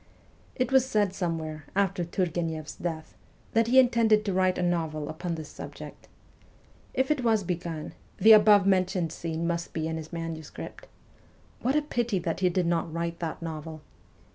It was said somewhere, after Turgueneff 's death, that he intended to write a novel upon this subject. If it was begun, the above mentioned scene must be in his manuscript. What a pity that he did not write that novel